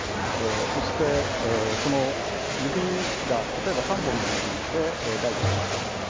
そしてその指が例えば３本の指で大地を踏んで歩くと。